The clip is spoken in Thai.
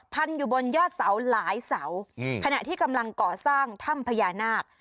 อยู่บนยอดเสาหลายเสาขณะที่กำลังก่อสร้างถ้ำพญานาค